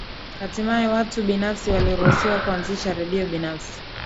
Hatimaye watu binafsi waliruhusiwa kuanzisha Radio binafsi